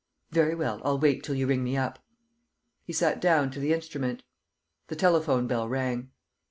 ... Very well, I'll wait till you ring me up. ..." He sat down to the instrument. The telephone bell rang.